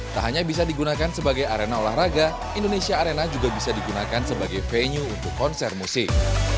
tak hanya bisa digunakan sebagai arena olahraga indonesia arena juga bisa digunakan sebagai venue untuk konser musik